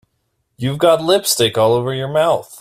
You've got lipstick all over your mouth.